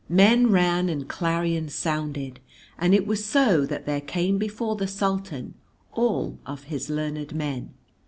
Men ran and clarions sounded, and it was so that there came before the Sultan all of his learned men.